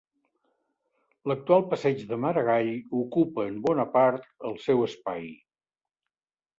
L'actual passeig de Maragall ocupa en bona part el seu espai.